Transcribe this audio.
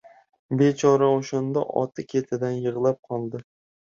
Bechora o‘shanda oti ketidan yig‘lab qoldi!